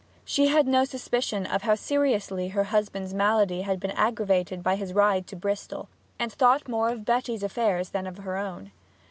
She had no suspicion how seriously her husband's malady had been aggravated by his ride to Bristol, and thought more of Betty's affairs than of her own.